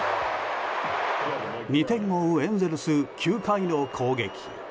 ２点を追うエンゼルス９回の攻撃。